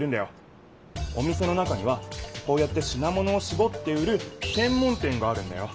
お店の中にはこうやってしな物をしぼって売るせんもん店があるんだよ。